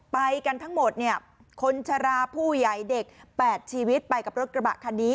ไปกันทั้งหมดเนี่ยคนชะลาผู้ใหญ่เด็ก๘ชีวิตไปกับรถกระบะคันนี้